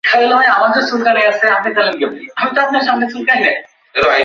আরে, না!